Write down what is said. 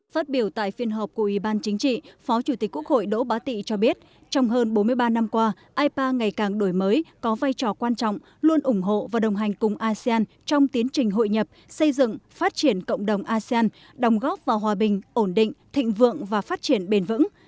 phát biểu tại phiên họp của ủy ban chính trị phó chủ tịch quốc hội đỗ bá tị cho biết trong hơn bốn mươi ba năm qua ipa ngày càng đổi mới có vai trò quan trọng luôn ủng hộ và đồng hành cùng asean trong tiến trình hội nhập xây dựng phát triển cộng đồng asean đồng góp vào hòa bình ổn định thịnh vượng và phát triển bền vững